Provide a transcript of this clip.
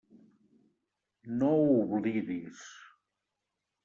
No ho oblidis.